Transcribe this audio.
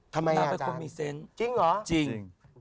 ทำไมอาจารย์จริงหรอจริง